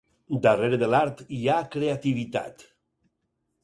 Darrere de l'art hi ha creativitat.